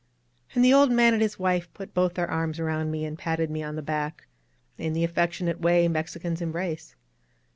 And the old man and his wife put both their arms around me and patted me on the back, in the affectionate way Mexicans em brace.